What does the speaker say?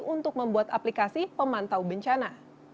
untuk membuat aplikasi pemantau bencana